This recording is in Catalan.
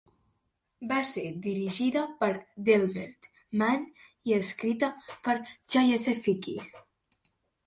Va ser dirigida per Delbert Mann i escrita per Chayefsky.